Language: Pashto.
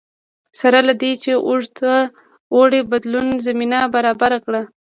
سره له دې چې اوږد اوړي بدلون زمینه برابره کړه